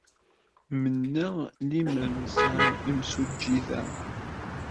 Mennaɣ lemmer nesɛi imsujji da.